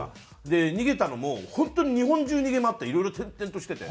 で逃げたのも本当に日本中逃げ回っていろいろ転々としてて。